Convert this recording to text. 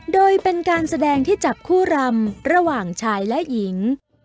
โดยเป็นการแสดงที่จับคู่รำระหว่างชายและหญิง